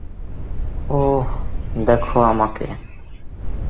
ওহ, দেখো আমাকে!